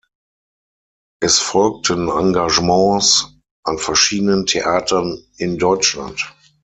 Es folgten Engagements an verschiedenen Theatern in Deutschland.